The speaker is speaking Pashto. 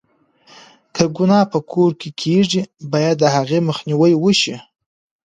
که گناه په کور کې کېږي، بايد د هغې مخنيوی وشي.